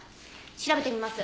調べてみます。